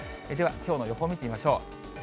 ではきょうの予報見てみましょう。